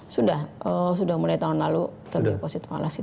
sudah sudah mulai tahun lalu term deposit fallacy